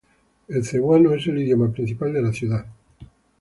El cebuano es el idioma principal de la ciudad.